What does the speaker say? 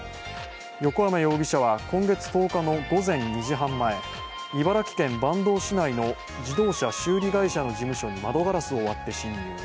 横山容疑者は今月１０日の午前２時半前、茨城県坂東市内の自動車修理会社の事務所に窓ガラスを割って侵入。